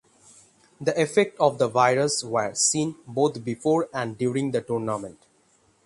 The effects of the virus were seen both before and during the tournament.